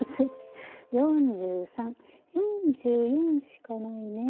４１４２４３４４しかないね。